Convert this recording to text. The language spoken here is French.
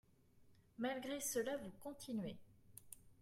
Malgré cela, vous continuez.